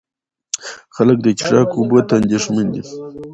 خلک د څښاک اوبو ته اندېښمن دي.